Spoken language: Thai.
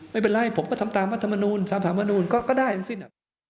ไม่เป็นไรผมก็ทำตามวัฒนธรรมนูญทำตามวัฒนธรรมนูญก็ได้ทั้งสิ้น